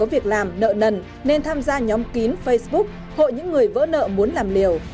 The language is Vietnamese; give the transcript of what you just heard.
việc làm nợ nần nên tham gia nhóm kín facebook hội những người vỡ nợ muốn làm liều